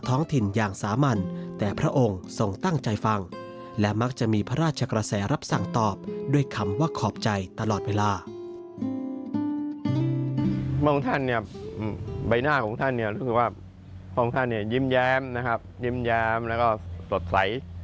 ของถิ่นอย่างสามัญแต่พระองค์ทรงตั้งใจฟังและมักจะมีพระราชกระแสรับสั่งตอบด้วยคำว่าขอบใจตลอดเวลา